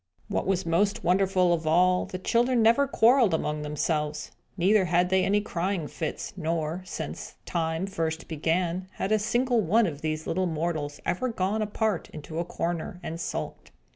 What was most wonderful of all, the children never quarrelled among themselves; neither had they any crying fits; nor, since time first began, had a single one of these little mortals ever gone apart into a corner, and sulked.